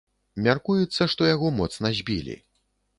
Мяркуецца, што яго моцна збілі.